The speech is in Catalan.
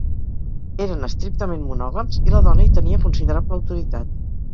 Eren estrictament monògams, i la dona hi tenia considerable autoritat.